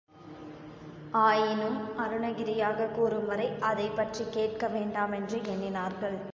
ஆயினும் அருணகிரியாகக் கூறும் வரை அதைப் பற்றிக் கேட்க வேண்டாமென்று எண்ணினார்கள்.